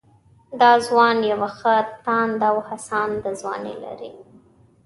دا ځوان يوه ښه تانده او هڅانده ځواني لري